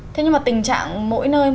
thế nhưng mà tình trạng mỗi nơi